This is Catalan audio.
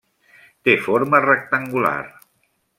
Té forma rectangular.